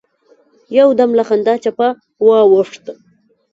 خو يودم له خندا چپه واوښت.